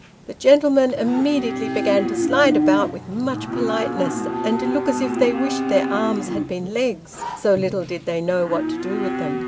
The gentlemen immediately began to slide about with much politeness, and to look as if they wished their arms had been legs, so little did they know what to do with them.